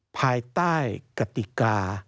ภายใต้กติกา